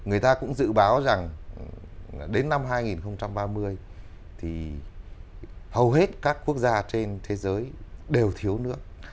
người ta cũng dự báo rằng đến năm hai nghìn ba mươi thì hầu hết các quốc gia trên thế giới đều thiếu nước